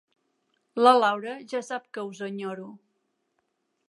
La Laura ja sap que us enyoro.